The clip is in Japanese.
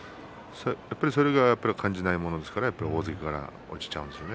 それが、やっぱり感じないものですから大関から落ちちゃうんですね。